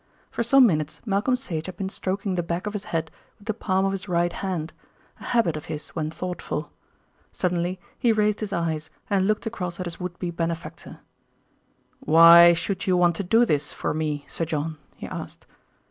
For some minutes Malcolm Sage had been stroking the back of his head with the palm of his right hand, a habit of his when thoughtful. Suddenly he raised his eyes and looked across at his would be benefactor. "Why should you want to do this for me, Sir John?" he asked.